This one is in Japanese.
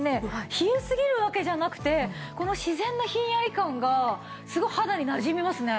冷えすぎるわけじゃなくてこの自然なひんやり感がすごい肌になじみますね。